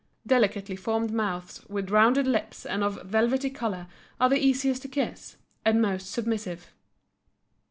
Delicately formed mouths with rounded lips and of a velvety color are the easiest to kiss, and most submissive.